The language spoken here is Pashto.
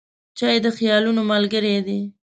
چای د خیالونو ملګری دی.